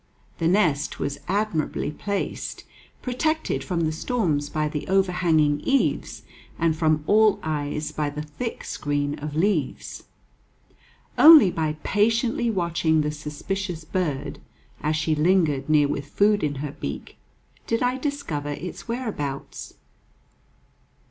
The nest was admirably placed, protected from the storms by the overhanging eaves and from all eyes by the thick screen of leaves. Only by patiently watching the suspicious bird, as she lingered near with food in her beak, did I discover its whereabouts.